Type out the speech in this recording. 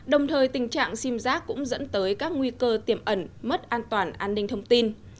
đồng thời tình trạng sim giác cũng dẫn tới các nguy cơ tiềm ẩn mất an toàn an ninh thông tin